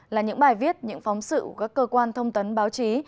là những bài viết những phóng sự của các cơ quan thông tấn báo chí